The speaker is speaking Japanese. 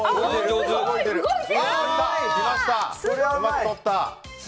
うまく取った！